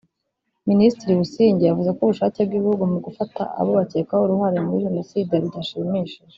Minisitiri Busingye yavuze ko ubushake bw’ibihugu mu gufata abo bakekwaho uruhare muri Jenoside rudashimishije